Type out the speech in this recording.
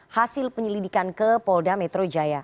hasil penyelidikan ke polda metro jaya